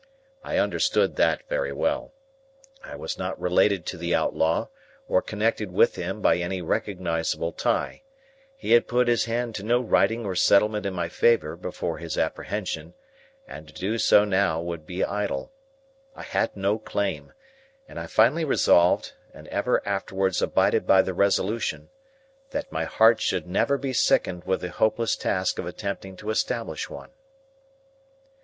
I understood that very well. I was not related to the outlaw, or connected with him by any recognisable tie; he had put his hand to no writing or settlement in my favour before his apprehension, and to do so now would be idle. I had no claim, and I finally resolved, and ever afterwards abided by the resolution, that my heart should never be sickened with the hopeless task of attempting to establish one.